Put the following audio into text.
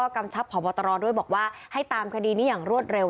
กำชับพบตรด้วยบอกว่าให้ตามคดีนี้อย่างรวดเร็ว